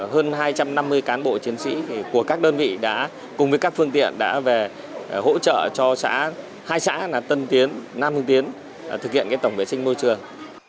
hơn hai trăm năm mươi cán bộ chiến sĩ của các đơn vị đã cùng với các phương tiện đã về hỗ trợ cho xã hai xã là tân tiến nam hưng tiến thực hiện tổng vệ sinh môi trường